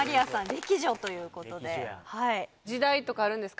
歴女ということで歴女や時代とかあるんですか？